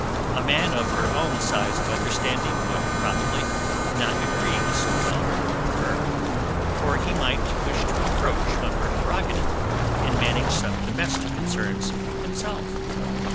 A man of her own size of understanding would, probably, not agree so well with her; for he might wish to encroach on her prerogative, and manage some domestic concerns himself.